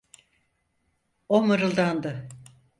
O mırıldandı: